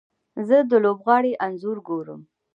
زه د لوبغاړي انځور ګورم.